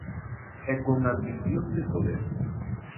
E con ambición de poder.